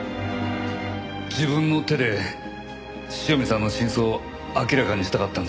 自分の手で塩見さんの真相を明らかにしたかったんです。